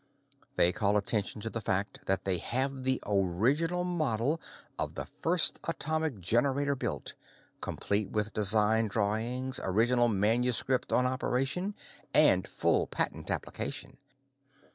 They call attention to the fact that they have the original model of the first atomic generator built, complete with design drawings, original manuscript on operation, and full patent application.